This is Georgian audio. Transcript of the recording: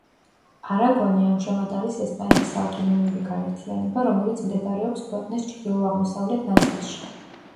არაგონი ამჟამად არის ესპანეთის ავტონომიური გაერთიანება, რომელიც მდებარეობს ქვეყნის ჩრდილო-აღმოსავლეთ ნაწილში.